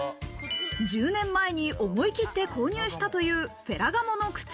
１０年前に思い切って購入したというフェラガモの靴。